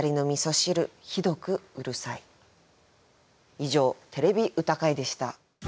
以上「てれび歌会」でした。